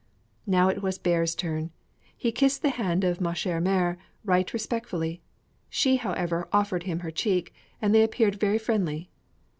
Now it was Bear's turn; he kissed the hand of ma chère mère right respectfully; she however offered him her cheek, and they appeared very friendly.